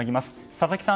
佐々木さん